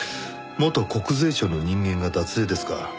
元国税庁の人間が脱税ですか。